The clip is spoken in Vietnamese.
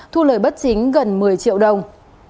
thu lời bất chính gần một mươi triệu đồng